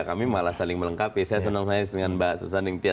kami malah saling melengkapi saya senang saya dengan mbak susaning tia